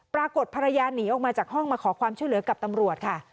ปรากฏภรรยาหนีออกมาจากห้องมาขอความช่วยเหลือกับตำรวจค่ะ